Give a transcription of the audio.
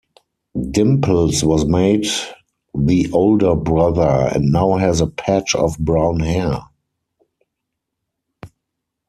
Dimples was made the older brother and now has a patch of Brown Hair.